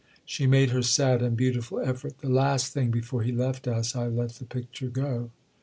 She made her sad and beautiful effort. "The last thing before he left us I let the picture go."